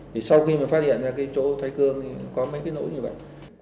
thì sau khi mà phát hiện ra cái chỗ thái cương thì có mấy cái lỗi như vậy